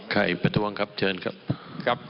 ประท้วงครับเชิญครับ